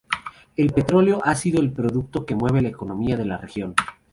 El petróleo ha sido el producto que mueve la economía de la región.